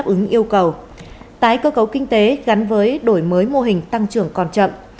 ứng yêu cầu tái cơ cấu kinh tế gắn với đổi mới mô hình tăng trưởng còn chậm